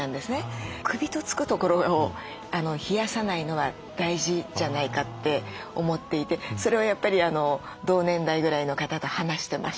「首」とつくところを冷やさないのは大事じゃないかって思っていてそれをやっぱり同年代ぐらいの方と話してました。